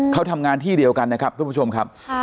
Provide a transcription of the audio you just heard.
เขาทำงานที่เดียวกันนะครับทุกผู้ชมครับ